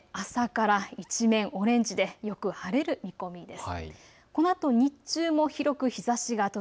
あすも朝から一面オレンジでよく晴れる見込みです。